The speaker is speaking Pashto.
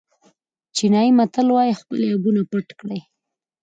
چینایي متل وایي خپل عیبونه پټ کړئ.